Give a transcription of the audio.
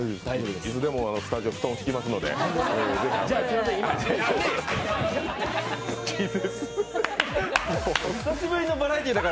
いつでもスタジオ、布団敷きますから。